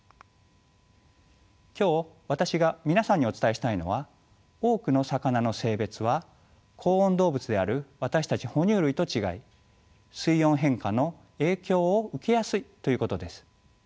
今日私が皆さんにお伝えしたいのは多くの魚の性別は恒温動物である私たち哺乳類と違い水温変化の影響を受けやすいということです。